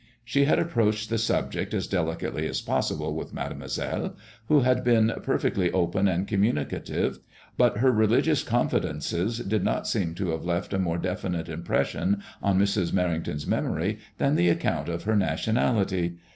She had approached the subject as deli cately as possible with Made moiselle, who had been perfectly open and communicative, but her religious confidences did not seem to have left a more definite impression on Mrs. Merrington's memory than the account of her nationality.